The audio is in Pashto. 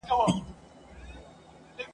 د حاجي لالي په باب څېړنه کېږي.